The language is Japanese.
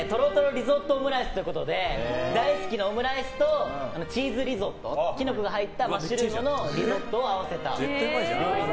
リゾットオムライスということで大好きなオムライスとチーズリゾットキノコが入ったマッシュルームのリゾットを合わせた。